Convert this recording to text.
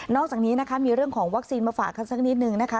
อกจากนี้นะคะมีเรื่องของวัคซีนมาฝากกันสักนิดนึงนะคะ